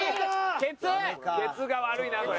ケツが悪いなこれ。